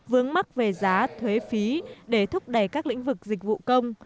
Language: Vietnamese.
vướng mắt về giá thuế phí để thúc đẩy các lĩnh vực dịch vụ công